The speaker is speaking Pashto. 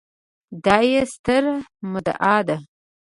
دا يې ستره مدعا ده